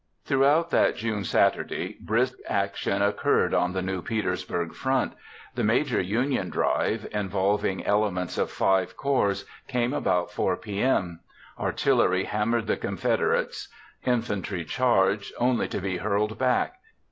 Throughout that June Saturday, brisk action occurred on the new Petersburg front. The major Union drive, involving elements of five corps, came about 4 p.m. Artillery hammered the Confederates. Infantry charged, only to be hurled back.